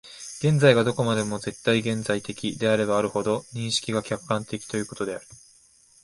現在がどこまでも絶対現在的であればあるほど、認識が客観的ということができる。